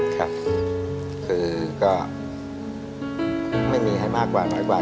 ค่ะคือก็ไม่มีให้มากกว่า